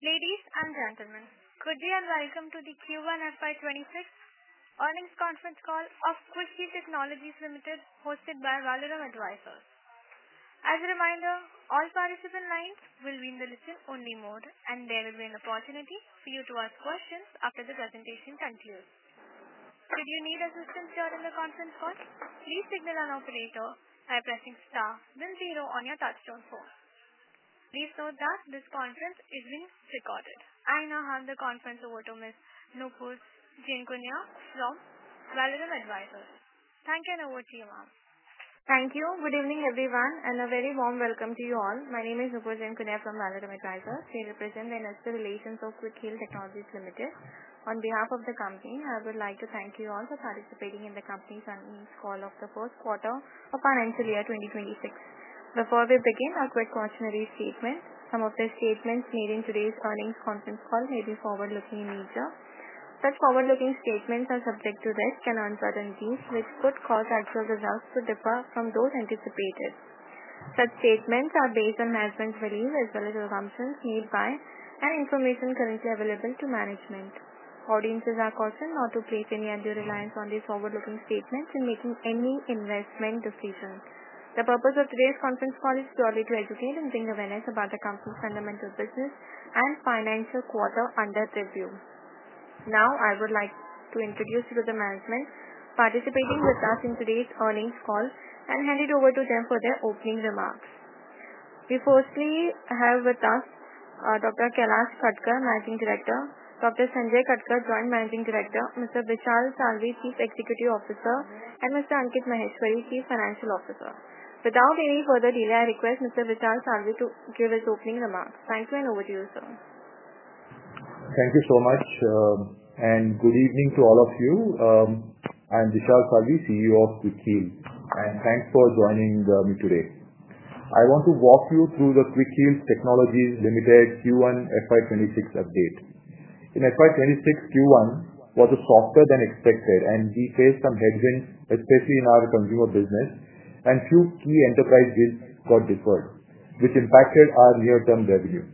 Ladies and gentlemen, could we have a welcome to the Q1 FY 2026 Earnings Conference Call of Quick Heal Technologies Limited, hosted by Valorem Advisors. As a reminder, all participant lines will be in the listen-only mode, and there will be an opportunity for you to ask questions after the presentation continues. Should you need assistance during the conference call, please signal an operator by pressing Star, the zero on your touchtone phone. Please note that this conference is being recorded. I now hand the conference over to Ms. Nupur Jainkunia Valorem Advisors Thank you and over to you, ma'am. Thank you. Good evening, everyone, and a very warm welcome to you all. My name is Nupur Jainkunia from Valorem Advisors. We represent the investor relations of Quick Heal Technologies Limited. On behalf of the company, I would like to thank you all for participating in the company's earnings call of the first quarter of financial year 2026. Before we begin our quick cautionary statement, some of the statements made in today's earnings conference call may be forward-looking in nature. Such forward-looking statements are subject to risks and uncertainties, which could cause actual results to differ from those anticipated. Such statements are based on management's beliefs, as well as assumptions made by, and information currently available to management. Audiences are cautioned not to place any undue reliance on these forward-looking statements in making any investment decisions. The purpose of today's conference call is purely to educate and bring awareness about the company's fundamental business and financial quarter under review. Now, I would like to introduce the management participating with us in today's earnings call and hand it over to them for their opening remarks. We firstly have with us Dr. Kailash Katkar, Managing Director; Dr. Sanjay Katkar, Joint Managing Director; Mr. Vishal Salvi, Chief Executive Officer; and Mr. Ankit Maheshwari, Chief Financial Officer. Without any further delay, I request Mr. Vishal Salvi to give his opening remarks. Thanks, and over to you, sir. Thank you so much, and good evening to all of you. I'm Vishal Salvi, CEO of Quick Heal, and thanks for joining me today. I want to walk you through the Quick Heal Technologies Limited's Q1 FY 2026 update. In FY 2026 Q1, it was softer than expected, and we faced some headwinds, especially in our consumer business, and a few key enterprise deals got deferred, which impacted our near-term revenue.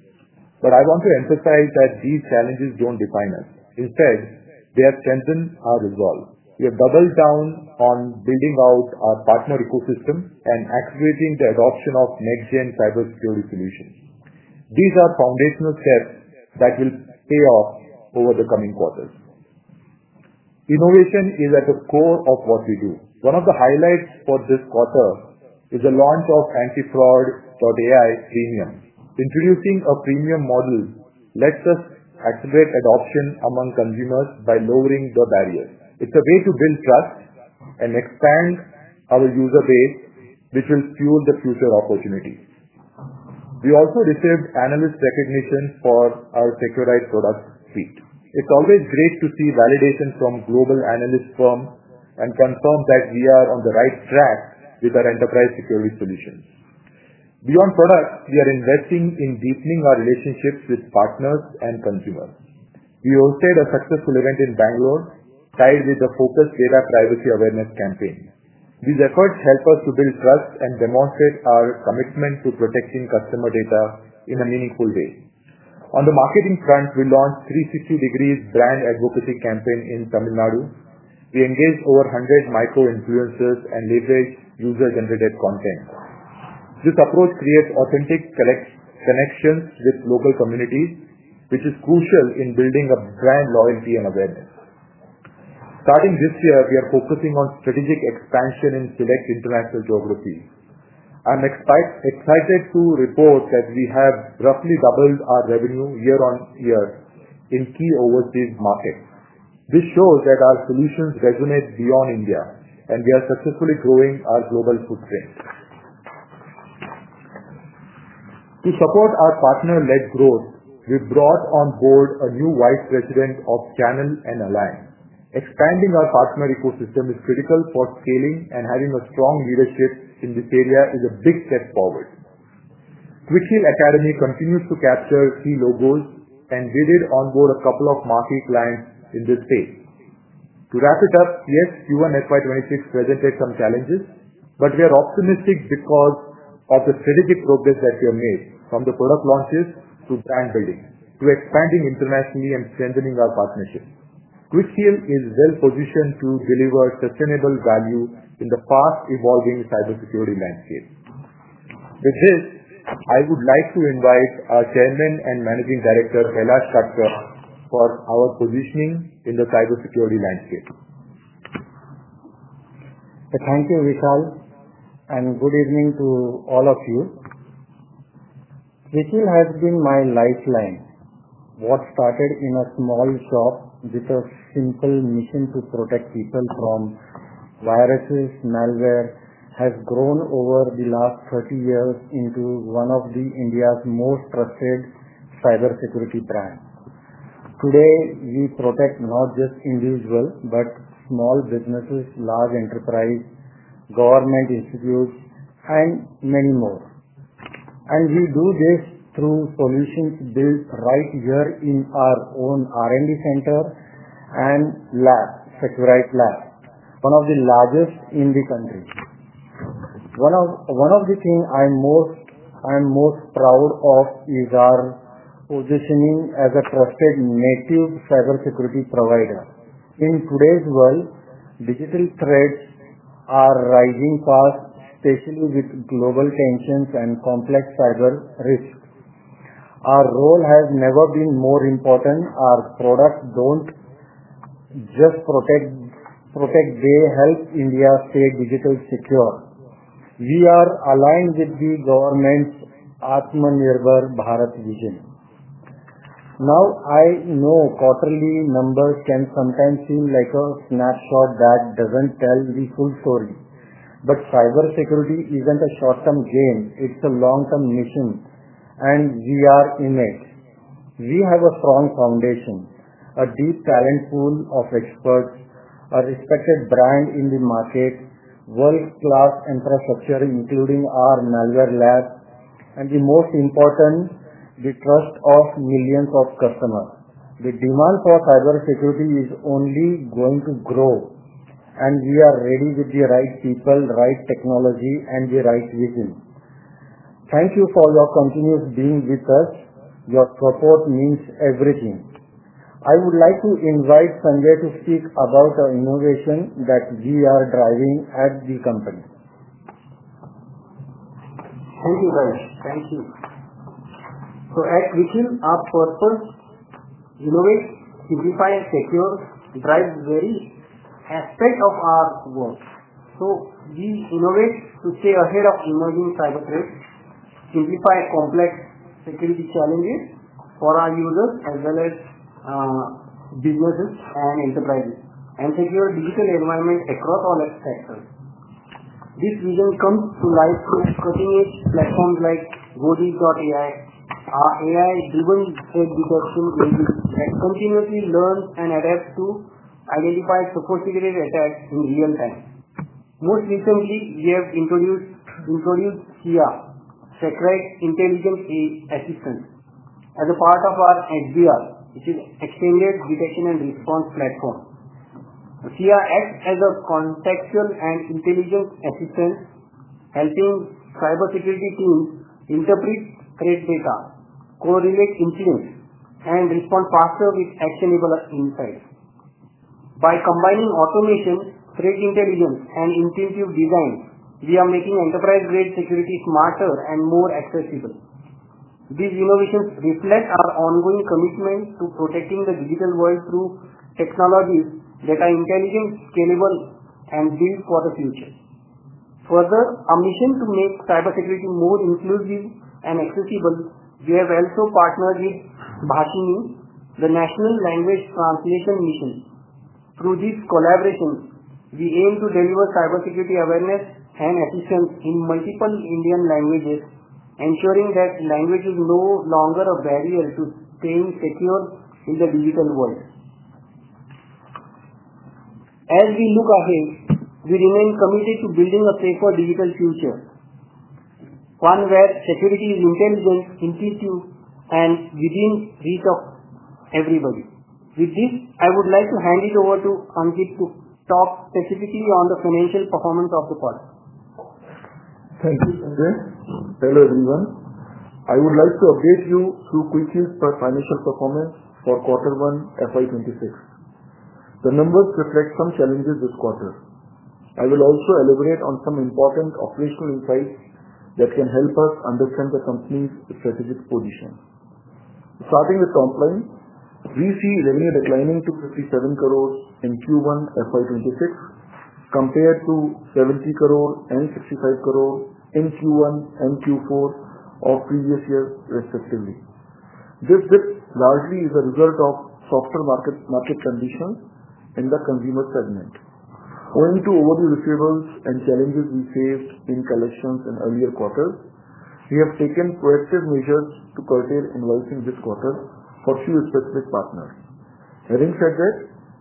I want to emphasize that these challenges don't define us. Instead, they have strengthened our resolve. We have doubled down on building out our partner ecosystem and accelerating the adoption of next-gen cybersecurity solutions. These are foundational steps that will pay off over the coming quarters. Innovation is at the core of what we do. One of the highlights for this quarter is the launch of AntiFraud.AI Premium. Introducing a premium model lets us activate adoption among consumers by lowering the barriers. It's a way to build trust and expand our user base, which will fuel the future opportunities. We also received analyst recognition for our secure product suite. It's always great to see validation from global analyst firms and confirm that we are on the right track with our enterprise security solutions. Beyond products, we are investing in deepening our relationships with partners and consumers. We hosted a successful event in Bangalore, tied with the focused data privacy awareness campaign. These efforts help us to build trust and demonstrate our commitment to protecting customer data in a meaningful way. On the marketing front, we launched a 360-degree brand advocacy campaign in Tamil Nadu. We engaged over 100 micro-influencers and leveraged user-generated content. This approach creates authentic connections with local communities, which is crucial in building up brand loyalty and awareness. Starting this year, we are focusing on strategic expansion in select international geographies. I'm excited to report that we have roughly doubled our revenue year on year in key overseas markets. This shows that our solutions resonate beyond India, and we are successfully growing our global footprint. To support our partner-led growth, we brought on board a new Vice President of Channel and Alliance. Expanding our partner ecosystem is critical for scaling, and having a strong leadership in this area is a big step forward. Quick Heal Academy continues to capture key logos and we did onboard a couple of marketing clients in this space. To wrap it up, yes, Q1 FY 2026 presented some challenges, but we are optimistic because of the strategic progress that we have made, from the product launches to brand building, to expanding internationally and strengthening our partnership. Quick Heal is well-positioned to deliver sustainable value in the fast-evolving cybersecurity landscape. With this, I would like to invite our Chairman and Managing Director, Dr. Kailash Katkar, for our positioning in the cybersecurity landscape. Thank you, Vishal, and good evening to all of you. Quick Heal has been my lifeline. What started in a small shop with a simple mission to protect people from viruses, malware, has grown over the last 30 years into one of India's most trusted cybersecurity brands. Today, we protect not just individuals but small businesses, large enterprises, government institutes, and many more. We do this through solutions built right here in our own R&D center and lab, Seqrite lab, one of the largest in the country. One of the things I'm most proud of is our positioning as a trusted native cybersecurity provider. In today's world, digital threats are rising fast, especially with global tensions and complex cyber risks. Our role has never been more important. Our products don't just protect; they help India stay digitally secure. We are aligned with the government's Atmanirbhar Bharat vision. I know quarterly numbers can sometimes seem like a snapshot that doesn't tell the full story, but cybersecurity isn't a short-term game. It's a long-term mission, and we are in it. We have a strong foundation, a deep talent pool of experts, a respected brand in the market, world-class infrastructure, including our malware labs, and the most important, the trust of millions of customers. The demand for cybersecurity is only going to grow, and we are ready with the right people, the right technology, and the right vision. Thank you for your continuous being with us. Your support means everything. I would like to invite Sanjay to speak about the innovation that we are driving at the company. At Quick Heal, our purpose is to innovate, simplify, and secure the privacy aspect of our work. We innovate to stay ahead of emerging cyber threats, simplify complex security challenges for our users, as well as businesses and enterprises, and secure digital environments across all aspects. This vision comes to life through cutting-edge platforms like Gobi.ai. Our AI-driven threat detection will continuously learn and adapt to identify sophisticated attacks in real time. Most recently, we have introduced SIA, Security Intelligence Assistance, as a part of our XDR, which is an extended detection and response platform. SIA acts as a contextual and intelligent assistant, helping cybersecurity teams interpret threat data, correlate incidents, and respond faster with actionable insights. By combining automation, threat intelligence, and intuitive design, we are making enterprise-grade security smarter and more accessible. These innovations reflect our ongoing commitment to protecting the digital world through technologies that are intelligent, scalable, and built for the future. Further, our mission is to make cybersecurity more inclusive and accessible. We have also partnered with Bhashini, the National Language Translation Mission. Through this collaboration, we aim to deliver cybersecurity awareness and assistance in multiple Indian languages, ensuring that language is no longer a barrier to staying secure in the digital world. As we look ahead, we remain committed to building a safer digital future, one where security is intelligent, intuitive, and within reach of everybody. With this, I would like to hand it over to Ankit to talk specifically on the financial performance of the product. Thank you, Sanjay. Hello, everyone. I would like to update you through Quick Heal financial performance for quarter one, FY 2026. The numbers reflect some challenges this quarter. I will also elaborate on some important operational insights that can help us understand the company's strategic position. Starting with top line, we see revenue declining to ₹57 crore in Q1 FY 2026 compared to ₹70 crore and ₹65 crore in Q1 and Q4 of previous years, respectively. This dip largely is a result of softer market conditions in the consumer segment. Going over the receivables and challenges we faced in collections in earlier quarters, we have taken proactive measures to curtail invoicing this quarter for fewer specific partners. Having said that,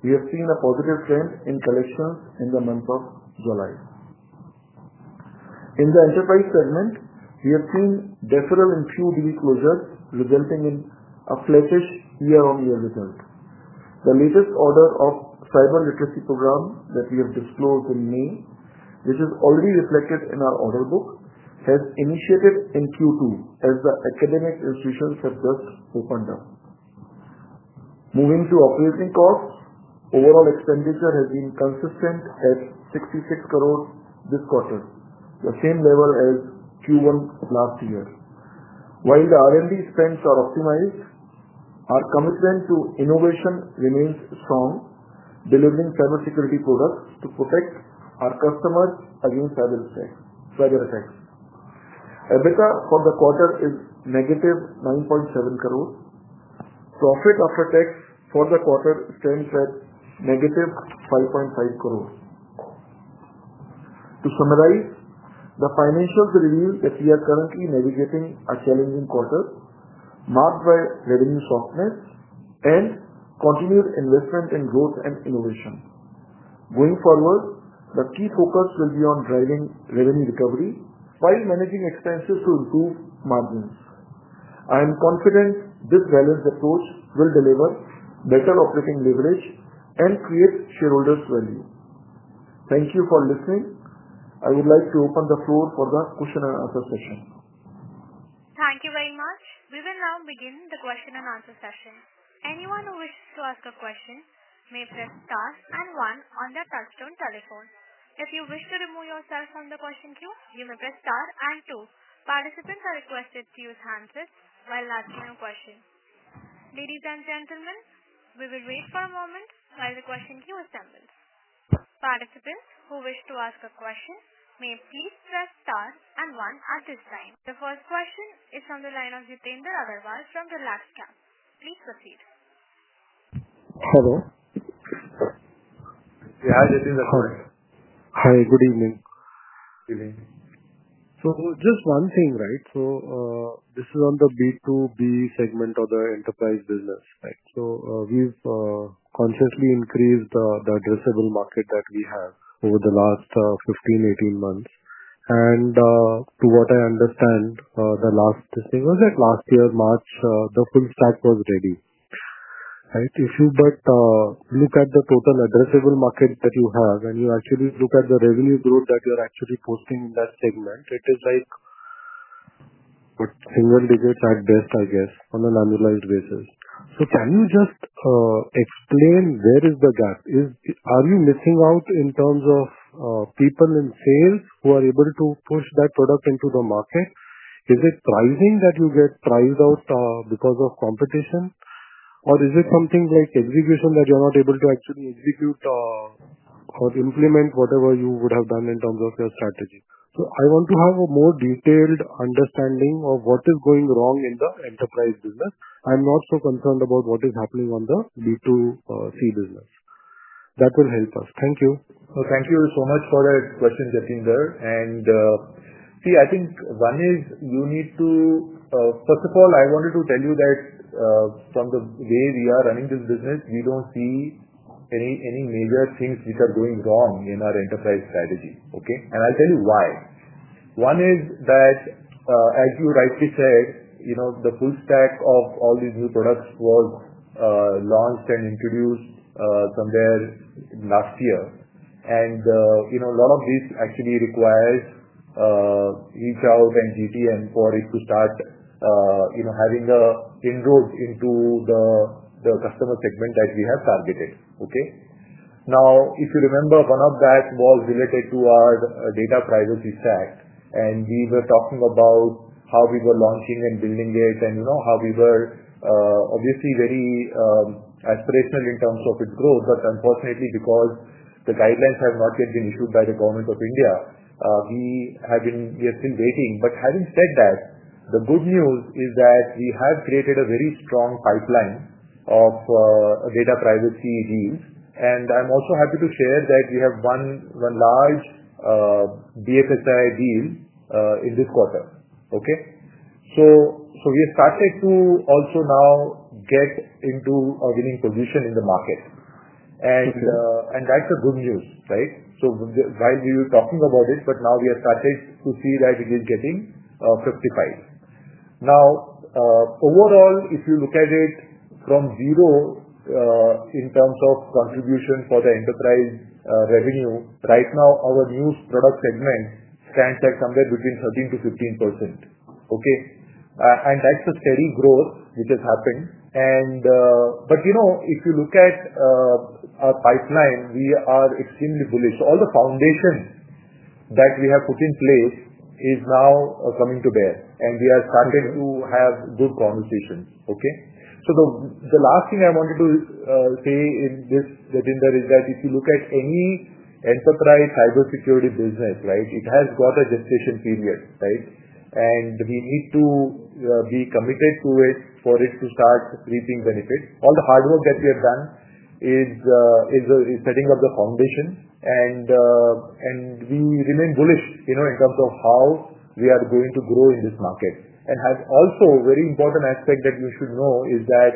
we have seen a positive trend in collections in the month of July. In the enterprise segment, we have seen deferral in few deal closures, resulting in a flattish year-on-year result. The latest order of cyber literacy programs that we have disclosed in May, which is already reflected in our order book, has initiated in Q2, as the academic institutions have just opened up. Moving to operating costs, overall expenditure has been consistent at ₹66 crore this quarter, the same level as Q1 last year. While the R&D spend is optimized, our commitment to innovation remains strong, delivering cybersecurity products to protect our customers against cyber attacks. EBITDA for the quarter is -₹9.7 crore. Profit after tax for the quarter stands at -₹5.5 crore. To summarize, the financials reveal that we are currently navigating a challenging quarter, marked by revenue softness and continued investment in growth and innovation. Going forward, the key focus will be on driving revenue recovery while managing expenses to improve margins. I am confident this balanced approach will deliver better operating leverage and create shareholders' value. Thank you for listening. I would like to open the floor for the question and answer session. Thank you very much. We will now begin the question-and-answer session. Anyone who wishes to ask a question may press Star and one on their touchtone telephone. If you wish to remove yourself from the question queue, you may press Star and two. Participants are requested to use handsets while answering questions. Ladies and gentlemen, we will wait for a moment while the question queue is tempered. Participants who wish to ask a question may please press Star and one at this time. The first question is on the line of Jitendra Agarwal from Relax. Yeah, Jitindra on the call. Hi, good evening. Good evening. Just one thing, right? This is on the B2B segment of the enterprise business, right? We've consciously increased the addressable market that we have over the last 15-18 months. To what I understand, last year March, the full stack was ready, right? If you look at the total addressable market that you have and you actually look at the revenue growth that you're actually posting in that segment, which is like a single digit at best, I guess, on an annualized basis. Can you just explain where is the gap? Are we missing out in terms of people in sales who are able to push that product into the market? Is it pricing that you get priced out because of competition? Is it something like execution that you're not able to actually execute or implement whatever you would have done in terms of your strategy? I want to have a more detailed understanding of what is going wrong in the enterprise business. I'm not so concerned about what is happening on the B2C business. That will help us. Thank you. Thank you so much for that question, Jitendra. I think one is you need to, first of all, I wanted to tell you that, from the way we are running this business, we don't see any major things which are going wrong in our enterprise strategy, okay? I'll tell you why. One is that, as you rightly said, you know, the full stack of all these new products was launched and introduced somewhere last year. You know, a lot of this actually requires EV out and GTM for it to start having the inroads into the customer segment that we have targeted, okay? If you remember, one of that was related to our data privacy set, and we were talking about how we were launching and building it and, you know, how we were obviously very aspirational in terms of its growth. Unfortunately, because the guidelines have not yet been issued by the Government of India, we have been waiting. Having said that, the good news is that we have created a very strong pipeline of data privacy deals. I'm also happy to share that we have one large DFSI deal in this quarter, okay? We're starting to also now get into a winning position in the market, and that's the good news, right? While we were talking about it, now we are starting to see that again getting, 55%. Now, overall, if you look at it from zero, in terms of contribution for the enterprise revenue, right now, our new product segment stands at somewhere between 13%-15%, okay? That's a steady growth which is happening. If you look at our pipeline, we are extremely bullish. All the foundation that we have put in place is now coming to bear, and we are starting to have good conversations, okay? The last thing I wanted to say in this, Jitendra, is that if you look at any enterprise cybersecurity business, it has got a gestation period, right? We need to be committed to it for it to start breathing benefits. All the hard work that we have done is setting up the foundation, and we remain bullish in terms of how we are going to grow in this market. Also, a very important aspect that you should know is that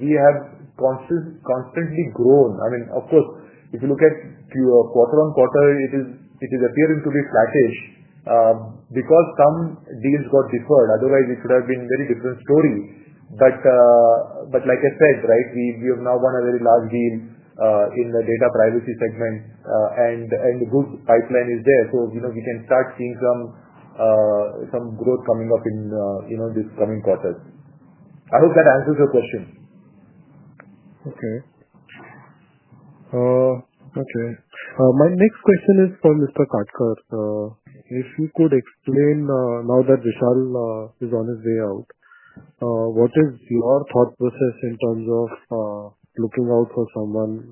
we have constantly grown. I mean, of course, if you look at Q1 quarter-on-quarter, it is appearing to be flattish because some deals got deferred. Otherwise, it would have been a very different story. Like I said, we have now won a very large deal in the data privacy segment, and the good pipeline is there. You know, we can start seeing some growth coming up in this coming quarter. I hope that answers your question. Okay. My next question is for Mr. Katkar. If you could explain, now that Vishal is on his way out, what is your thought process in terms of looking out for someone?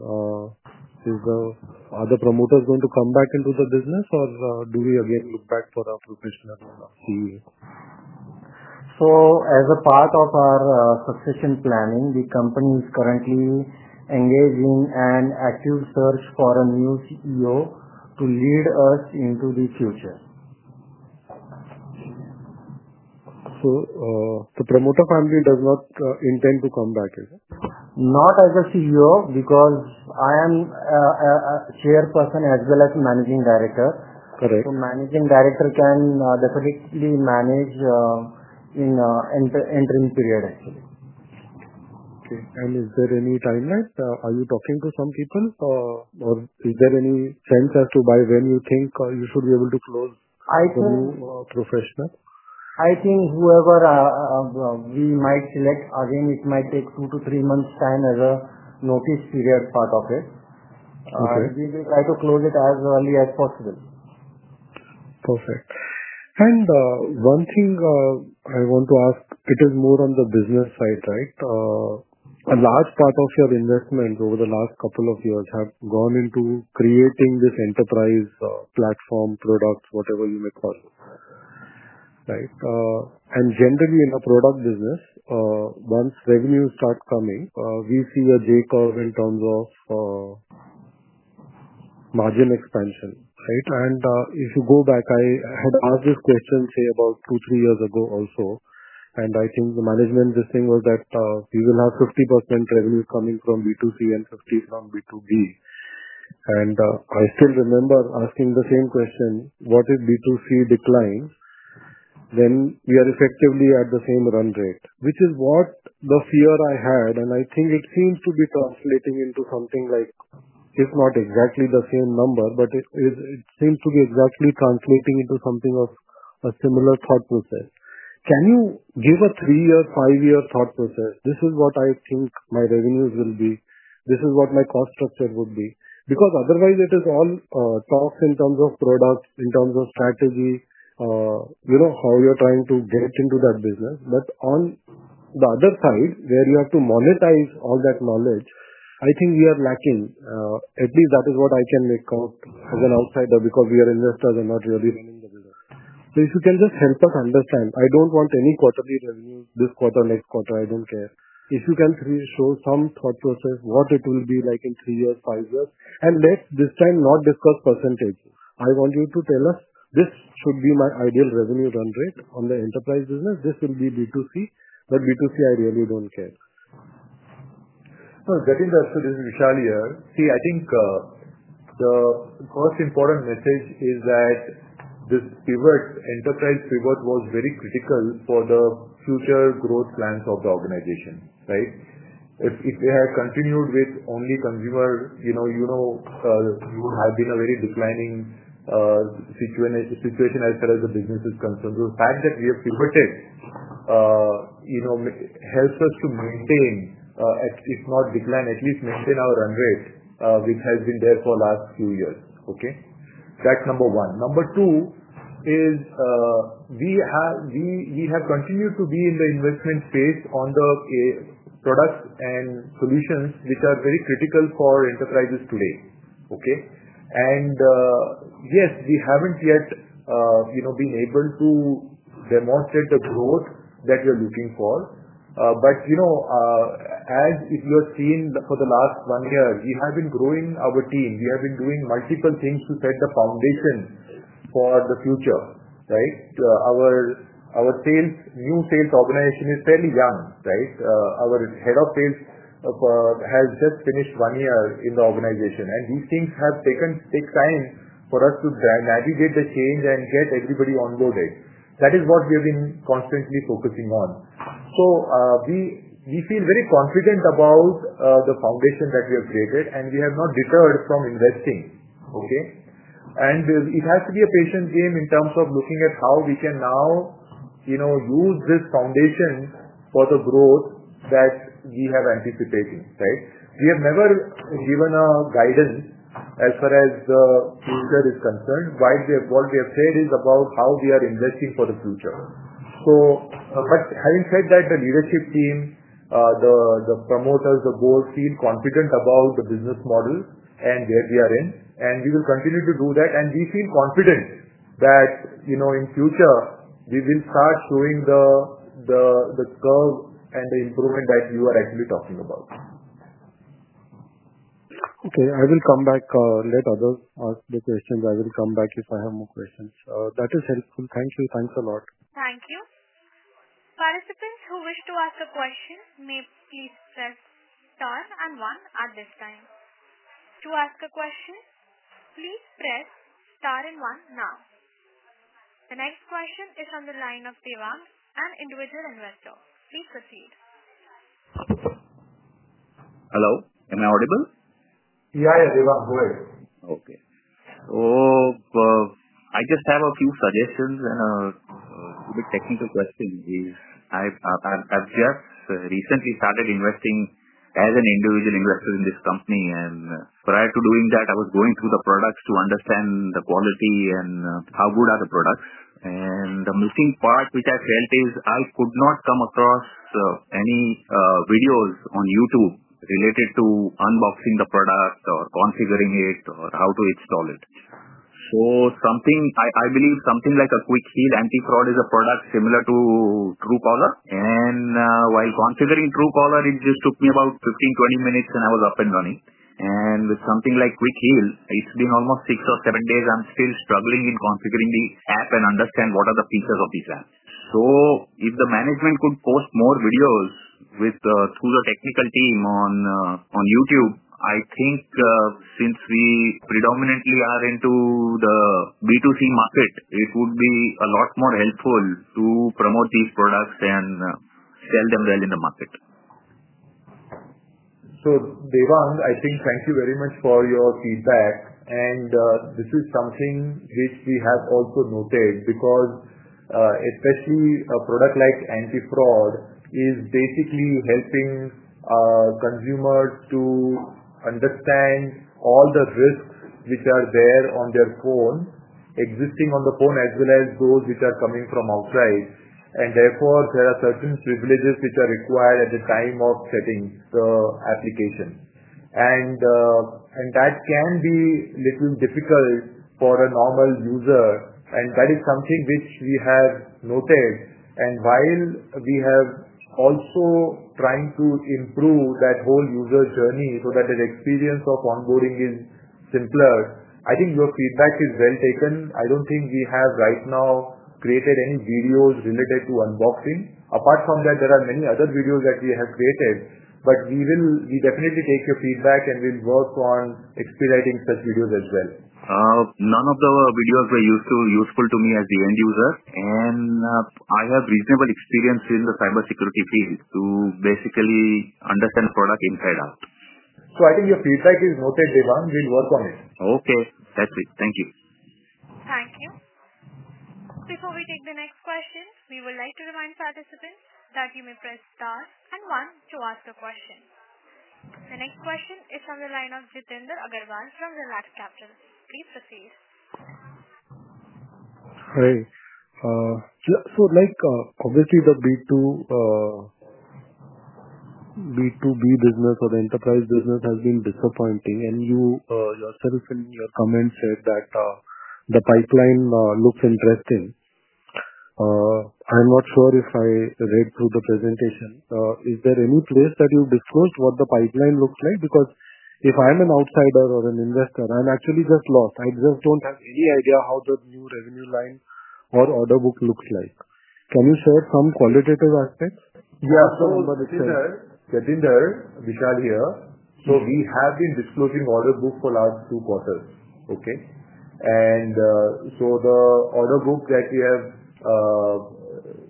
Are the promoters going to come back into the business, or do we again look back for a potential CEO? As a part of our succession planning, the company is currently engaging in an active search for a new CEO to lead us into the future. The promoter family does not intend to come back, is it? Not as a CEO because I am a Chairperson as well as Managing Director. Correct. The Managing Director can definitely manage in the entering period, actually. Okay. Is there any time limit? Are you talking to some people, or is there any sense as to by when you think you should be able to close a new professional? I think whoever we might select, it might take two to three months' time as a notice figure part of it. We will try to close it as early as possible. Perfect. One thing I want to ask, it is more on the business side, right? A large part of your investment over the last couple of years has gone into creating this enterprise platform product, whatever you may call it, right? Generally, in a product business, once revenues start coming, we see a J curve in terms of margin expansion, right? If you go back, I had asked this question, say, about two, three years ago also. I think the management's thing was that we will have 50% revenues coming from B2C and 50% from B2B. I still remember asking the same question, "What if B2C declines?" We are effectively at the same run rate, which is what the fear I had. I think it seems to be translating into something like, if not exactly the same number, but it seems to be exactly translating into something of a similar thought process. Can you give a three-year, five-year thought process? This is what I think my revenues will be. This is what my cost structure would be. Otherwise, it is all talks in terms of products, in terms of strategy, you know, how you're trying to get into that business. On the other side, where you have to monetize all that knowledge, I think we are lacking. At least that is what I can make out as an outsider because we are investors and not really running the business. If you can just help us understand, I don't want any quarterly revenue this quarter, next quarter. I don't care. If you can show some thought process, what it will be like in three years, five years, and let's this time not discuss %. I want you to tell us, "This should be my ideal revenue run rate on the enterprise business. This should be B2C. B2C, I really don't care. Getting back to this, Vishal here. I think the most important message is that this enterprise pivot was very critical for the future growth plans of the organization, right? If we had continued with only consumer, we would have been in a very declining situation as far as the business is concerned. The fact that we have pivoted helps us to maintain, if not decline, at least maintain our run rate, which has been there for the last few years. That's number one. Number two is, we have continued to be in the investment space on the products and solutions, which are very critical for enterprises today. Yes, we haven't yet been able to demonstrate the growth that we are looking for. As you have seen for the last one year, we have been growing our team. We have been doing multiple things to set the foundation for the future. Our new sales organization is fairly young. Our Head of Sales has just finished one year in the organization, and these things take time for us to navigate the change and get everybody onboarded. That is what we have been constantly focusing on. We feel very confident about the foundation that we have created, and we have not deterred from investing. It has to be a patient game in terms of looking at how we can now use this foundation for the growth that we have anticipated. We have never given a guidance as far as the future is concerned. What we have said is about how we are investing for the future. Having said that, the leadership team, the promoters, the board seem confident about the business models and where we are in, and we will continue to do that. We feel confident that in the future, we will start showing the curve and the improvement that you are actually talking about. Okay, I will come back. Let others ask the questions. I will come back if I have more questions. That is helpful. Thank you. Thanks a lot. Thank you. Participants who wish to ask a question may please press Star and one at this time. To ask a question, please press Star and one now. The next question is on the line of Deva, an individual investor. Please proceed. Hello. Am I audible? Yeah, yeah. Dewang, go ahead. Okay. I just have a few suggestions and a little bit technical question. I've just recently started investing as an individual investor in this company. Prior to doing that, I was going through the products to understand the quality and how good are the products. The missing part which I felt is I could not come across any videos on YouTube related to unboxing the product or configuring it or how to install it. I believe something like a Quick Heal AntiFraud is a product similar to Truecaller. While configuring Truecaller, it just took me about 15, 20 minutes, and I was up and running. With something like Quick Heal, it's been almost six or seven days I'm still struggling in configuring the app and understanding what are the features of this app. If the management could post more videos with the technical team on YouTube, I think since we predominantly are into the B2C market, it would be a lot more helpful to promote these products and sell them well in the market. Dewang, thank you very much for your feedback. This is something which we have also noted because, especially a product like AntiFraud.AI is basically helping consumers to understand all the risks which are there on their phone, existing on the phone, as well as those which are coming from outside. Therefore, there are certain privileges which are required at the time of setting the application, and that can be a little difficult for a normal user. That is something which we have noted. While we have also tried to improve that whole user journey so that the experience of onboarding is simpler, I think your feedback is well taken. I don't think we have right now created any videos related to unboxing. Apart from that, there are many other videos that we have created. We will definitely take your feedback and we'll work on expediting such videos as well. None of the videos were useful to me as a young user. I have reasonable experience in the cybersecurity field to basically understand the product inside out. I think your feedback is noted, Dewang. We'll work on it. Okay, that's it. Thank you. Thank you. Before we take the next questions, we would like to remind participants that you may press Star and one to ask a question. The next question is on the line of Jitendra Agarwal from Relax Capital. Please proceed. Hi. Obviously, the B2B business or the enterprise business has been disappointing. You, yourself, in your comments said that the pipeline looks interesting. I'm not sure if I read through the presentation. Is there any place that you discuss what the pipeline looks like? Because if I'm an outsider or an investor, I'm actually just lost. I just don't have any idea how the new revenue line or order book looks like. Can you share some qualitative aspects? Yeah, over the. Get in there, Vishal here. We have been disclosing order books for the last two quarters, okay? The order book that we have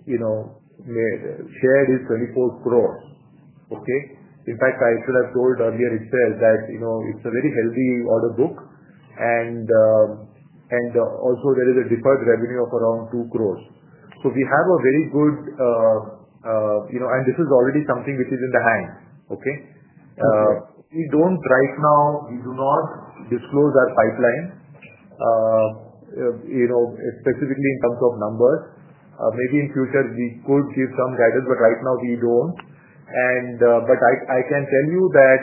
shared is ₹24 crore, okay? In fact, as I told earlier, it says that, you know, it's a very healthy order book. There is a deferred revenue of around ₹2 crores. We have a very good, you know, and this is already something which is in the hands, okay? Right now, we do not disclose that pipeline, you know, specifically in terms of numbers. Maybe in the future, we could give some guidance, but right now, we don't. I can tell you that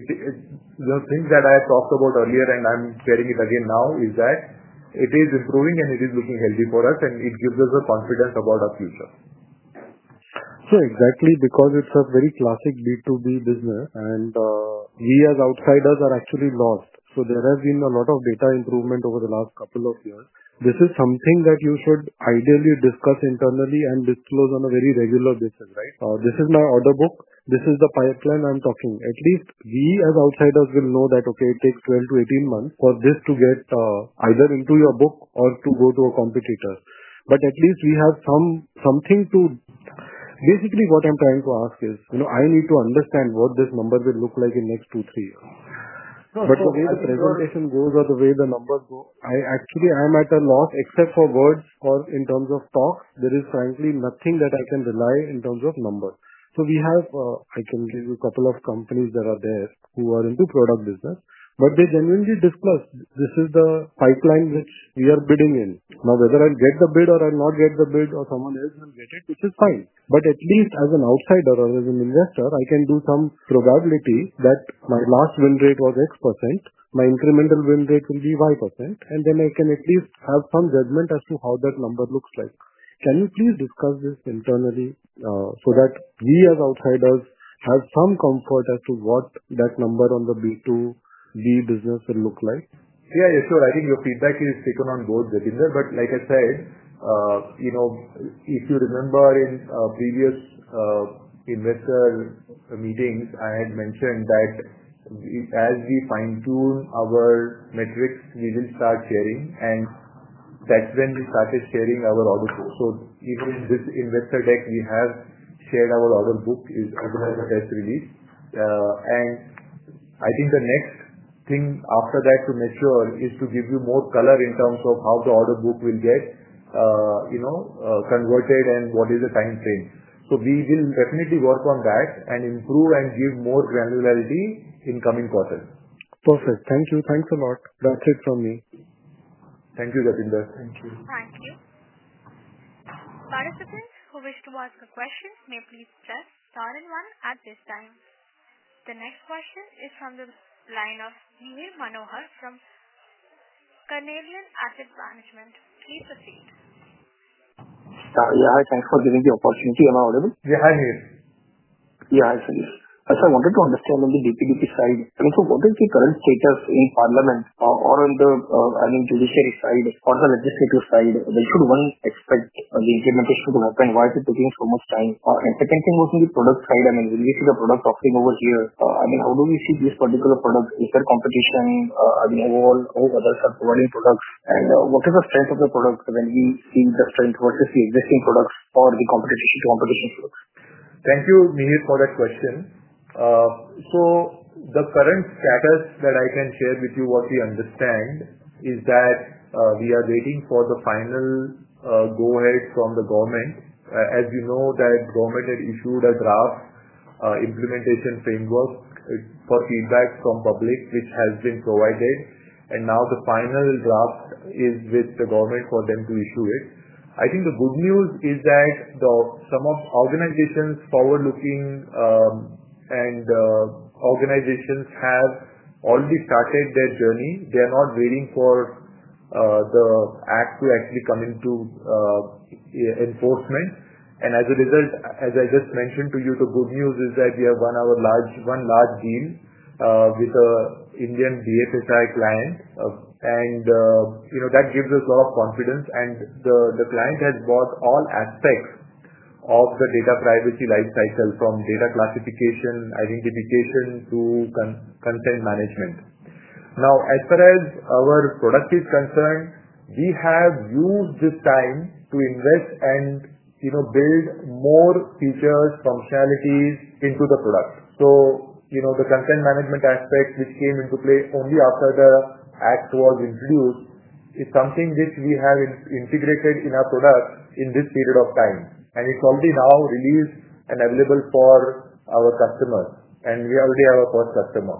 the things that I have talked about earlier, and I'm sharing it again now, is that it is improving and it is looking healthy for us, and it gives us a confidence about our future. Exactly, because it's a very classic B2B business, and we as outsiders are actually lost. There has been a lot of data improvement over the last couple of years. This is something that you should ideally discuss internally and disclose on a very regular basis, right? This is my order book. This is the pipeline I'm talking. At least we as outsiders will know that, okay, it takes 12-18 months for this to get either into your book or to go to a competitor. At least we have something to basically what I'm trying to ask is, you know, I need to understand what these numbers will look like in the next two, three years. The way the presentation goes or the way the numbers go, I actually am at a loss, except for words or in terms of stock. There is frankly nothing that I can rely on in terms of numbers. We have, I can give you a couple of companies that are there who are into product business, but they genuinely discuss this is the pipeline which we are bidding in. Now, whether I get the bid or I'm not getting the bid or someone else will get it, which is fine. At least as an outsider or as an investor, I can do some probability that my last win rate was X%. My incremental win rate will be Y%. Then I can at least have some judgment as to how that number looks like. Can you please discuss this internally so that we as outsiders have some comfort as to what that number on the B2B business will look like? Yeah, yeah. I think your feedback is taken on board, Jitendra. Like I said, if you remember in previous investor meetings, I had mentioned that as we fine-tune our metrics, we will start sharing. That's when we started sharing our order books. Even in this investor deck, we have shared our order book is automatically released. I think the next thing after that to make sure is to give you more color in terms of how the order book will get converted and what is the time frame. We will definitely work on that and improve and give more granularity in the coming quarters. Perfect. Thank you. Thanks a lot. That's it from me. Thank you, Jitendra. Thank you. Participant who wishes to ask a question may please press Star and one at this time. The next question is from the line of Mihir Manohar from Carnelian Asset Management. Please proceed. Yeah, hi. Thanks for giving the opportunity. Am I audible? Yeah, I hear you. Yeah, I see. I said I wanted to understand on the B2B side, in terms of what is the current status in Parliament or on the judiciary side or the legislative side, when could one expect these innovations to happen? Why is it taking so much time? I'm thinking mostly the product side and I'm releasing the product offering over here. I mean, how do we see these particular products? Is there competition? I mean, are we having all others are providing products? What is the strength of the product when we see the strength versus the existing products or the competition if you want to get into it? Thank you, Mihir, for that question. The current status that I can share with you, what we understand is that we are waiting for the final go ahead from the government. As you know, the government had issued a draft implementation framework for feedback from the public, which has been provided. Now the final draft is with the government for them to issue it. I think the good news is that some of the organizations are forward-looking, and organizations have already started their journey. They're not waiting for the act to actually come into enforcement. As a result, as I just mentioned to you, the good news is that we have won one large deal with an Indian DFSI client. That gives us a lot of confidence. The client has bought all aspects of the data privacy lifecycle from data classification, identification, to content management. Now, as far as our product is concerned, we have used this time to invest and build more features and functionalities into the products. The content management aspect, which came into play only after the act was introduced, is something which we have integrated in our products in this period of time. It's already now released and available for our customers, and we already have our first customer.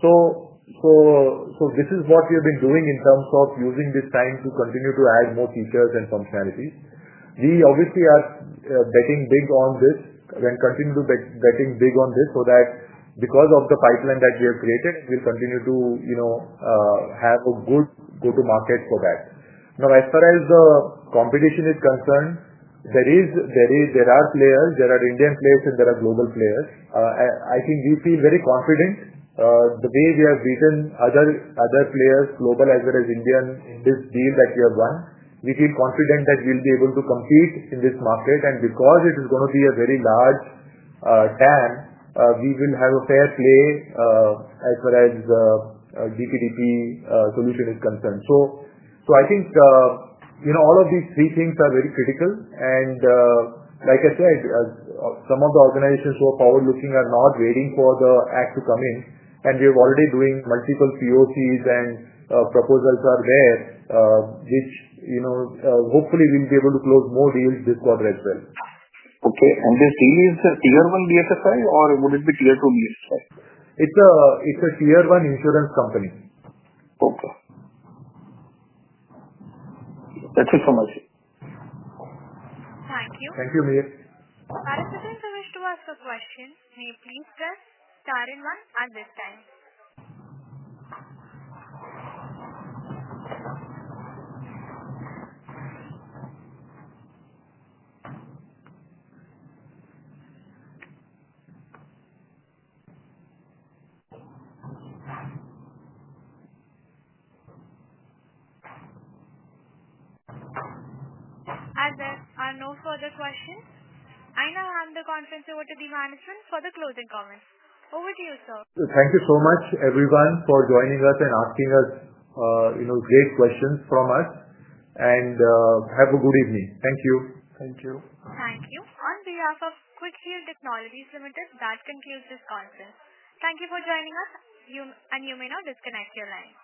This is what we have been doing in terms of using this time to continue to add more features and functionalities. We obviously are betting big on this and continue to be betting big on this because of the pipeline that we have created. We'll continue to have a good go-to-market for that. Now, as far as the competition is concerned, there are players, there are Indian players, and there are global players. I think we feel very confident. The way we have beaten other players, global as well as Indian, in this deal that we have won, we feel confident that we'll be able to compete in this market. Because it is going to be a very large TAM, we will have a fair play as far as the B2B commission is concerned. I think all of these three things are very critical. Like I said, some of the organizations who are forward-looking are not waiting for the act to come in. We are already doing multiple POCs and proposals there, which hopefully, we'll be able to close more deals this quarter as well. Okay. Is this a tier-one DFSI, or would it be tier two? It's a tier-one insurance client. Thank you so much. Thank you, Mihir Participants who wish to ask a question may please press Star and one at this time. Hi there. No further questions. I now hand the conference over to the management for the closing comments. Over to you, sir. Thank you so much, everyone, for joining us and asking us great questions from us. Have a good evening. Thank you. Thank you. Thank you. On behalf of Quick Heal Technologies Limited, that concludes this conference. Thank you for joining us. You may now disconnect your line.